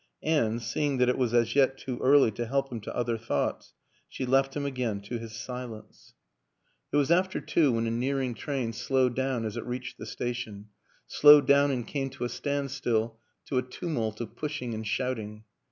. and, seeing that it was as yet too early to help him to other thoughts, she left him again to his silence. WILLIAM AN ENGLISHMAN 185 It was after two when a nearing train slowed down as it reached the station slowed down and came to a standstill to a tumult of pushing and shouting.